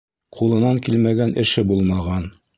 Ҡулынан килмәгән эше булмаған.